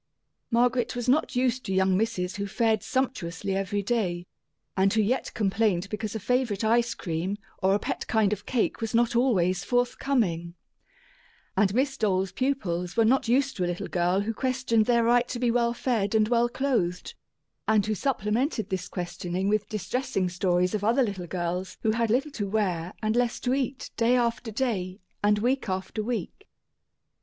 Margaret was not used to young misses who fared sumptuously every day, and who yet complained because a favorite ice cream or a pet kind of cake was not always forthcoming; and Miss Dole's pupils were not used to a little girl who questioned their right to be well fed and well clothed, and who supplemented this questioning with distressing stories of other little girls who had little to wear and less to eat day after day, and week after week.